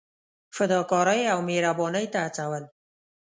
فدا کارۍ او مهربانۍ ته هڅول.